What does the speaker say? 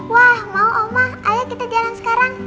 wah mau omah ayo kita jalan sekarang